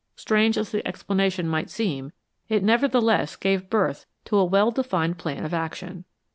Strange as the explanation might seem, it nevertheless gave birth to a well defined plan of action.